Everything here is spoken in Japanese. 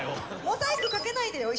モザイクかけないでよ